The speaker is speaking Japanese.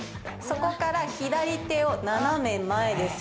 そこから左手を斜め前で。